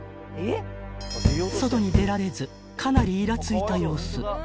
［外に出られずかなりいらついた様子］